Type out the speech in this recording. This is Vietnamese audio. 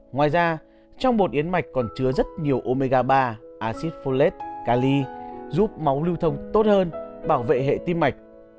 ngoài ra trong bột yến mạch còn chứa rất nhiều omega ba acid folet cali giúp máu lưu thông tốt hơn bảo vệ hệ tim mạch